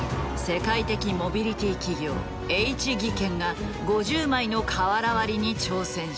世界的モビリティー企業Ｈ技研が５０枚の瓦割りに挑戦した。